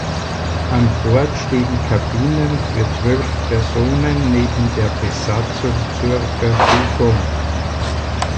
An Bord stehen Kabinen für zwölf Personen neben der Besatzung zur Verfügung.